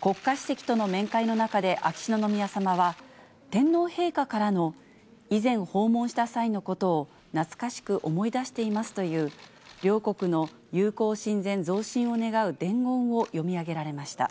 国家主席との面会の中で、秋篠宮さまは、天皇陛下からの以前訪問した際のことを懐かしく思い出していますという、両国の友好親善増進を願う伝言を読み上げられました。